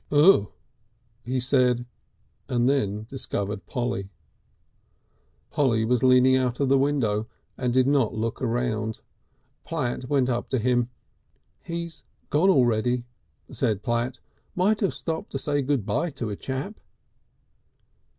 "Ugh!" he said, and then discovered Polly. Polly was leaning out of the window and did not look around. Platt went up to him. "He's gone already," said Platt. "Might have stopped to say good by to a chap."